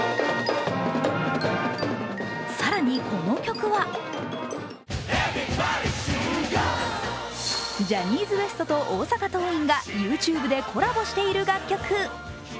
更に、この曲はジャニーズＷＥＳＴと大阪桐蔭がＹｏｕＴｕｂｅでコラボしている楽曲。